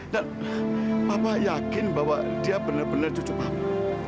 dan papa yakin bahwa dia bener bener cucu papa